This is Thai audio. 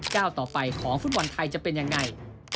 ก้าวต่อไปของฟุตบอลไทยจะเป็นยังไง